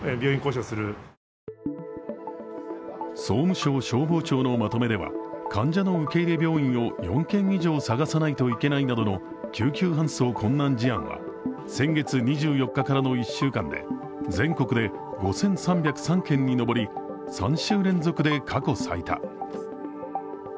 総務省消防庁のまとめでは、患者の受け入れ病院を４件以上探さないといけないなどの救急搬送困難事案は先月２４日からの１週間で全国で５３０３件に上り、３週連続で過去最多。